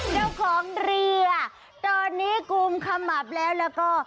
เจ้าของเรือตอนนี้กุมขมับแล้วแล้วก็